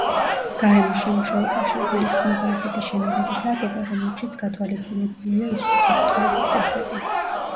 გარემოს შემუშავებაში იგულისხმება ისეთი შენობების აგება, რომლებშიც გათვალისწინებულია უსაფრთხოების წესები.